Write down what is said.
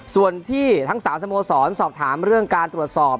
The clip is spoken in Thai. ส่วนที่ทั้ง๓สโมสรสอบถามเรื่องการตรวจสอบ